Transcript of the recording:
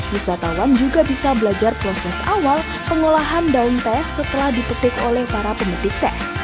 wisatawan juga bisa belajar proses awal pengolahan daun teh setelah dipetik oleh para pemetik teh